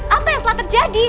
apa yang telah terjadi